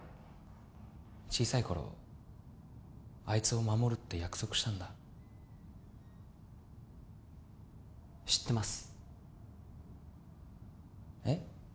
小さい頃あいつを守るって約束したんだ知ってますえっ？